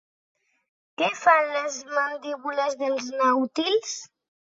Què fan les mandíbules dels nàutils?